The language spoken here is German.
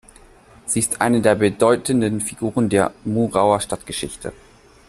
Sie ist eine der bedeutenden Figuren der Murauer Stadtgeschichte.